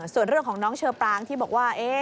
ส่วนเรื่องของน้องเชอปรางที่บอกว่า